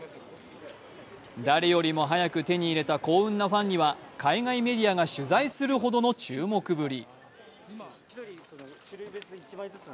誰よりも早く手に入れた幸運なファンには海外メディアが取材するほどの注目ぶり。